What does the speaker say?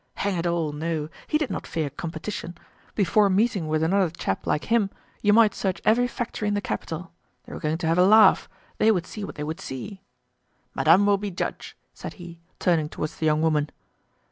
Hang it all, no! he did not fear competition; before meeting with another chap like him, you might search every factory in the capital. They were going to have a laugh; they would see what they would see. "Madame will be judge," said he, turning towards the young woman.